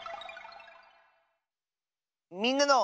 「みんなの」。